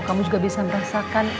kamu juga bisa merasakan